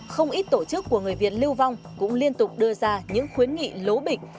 không ít tổ chức của người việt lưu vong cũng liên tục đưa ra những khuyến nghị lố bịch